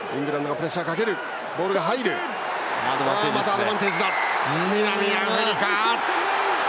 アドバンテージ、南アフリカ。